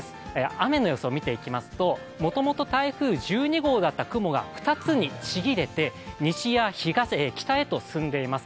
雨の予想見ていきますともともと台風１２号だった雲が２つのちぎれて、西や北へと進んでいます。